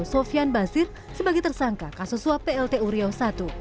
sofian basir sebagai tersangka kasus suap plt uriau i